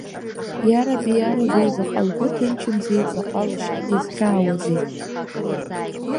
Иараби, иараби, заҟа лгәы ҭынчымзеи, заҟа лашьа дизхьаауазеи!